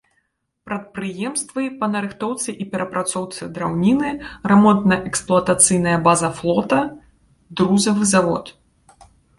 Прадпрыемствы па нарыхтоўцы і перапрацоўцы драўніны, рамонтна-эксплуатацыйная база флота, друзавы завод.